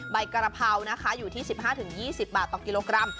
ใบกระเพรานะคะอยู่ที่๑๕๒๐บาทต่อกิโลกรัม